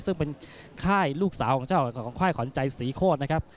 ซึ่งเป็นค่ายลูกสาวของเจ้าของค่ายขวัญใจศรีโคตรนะครับ